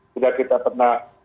sudah kita pernah